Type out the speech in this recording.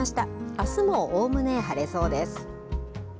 あすもおおむね晴れそうです。